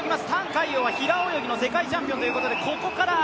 覃海洋は平泳ぎの世界チャンピオンということで。